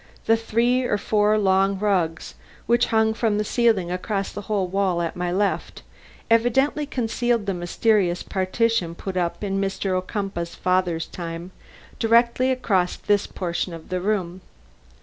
The three or four long rugs, which hung from the ceiling across the whole wall at my left, evidently concealed the mysterious partition put up in Mr. Ocumpaugh's father's time directly across this portion of the room.